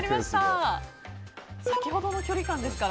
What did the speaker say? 先ほどの距離感ですから。